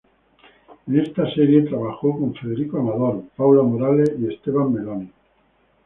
En esta serie trabajó con Federico Amador, Paula Morales y Esteban Meloni.